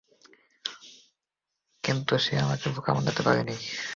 কিন্তু সে আমাকে বোকা বানাতে পারেনি।